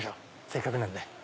せっかくなんで。